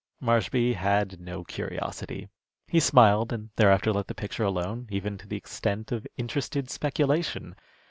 Marshby had no curiosity. He smiled, and thereafter let the picture alone, even to the extent of interested speculation.